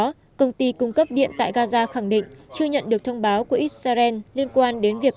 trước đó công ty cung cấp điện tại gaza khẳng định chưa nhận được thông báo của israel liên quan đến việc